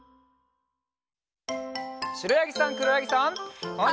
しろやぎさんくろやぎさん。